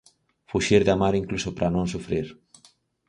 Fuxir de amar incluso para non sufrir.